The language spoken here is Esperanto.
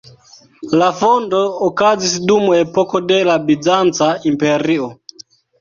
La fondo okazis dum epoko de la Bizanca Imperio.